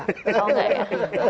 oh enggak ya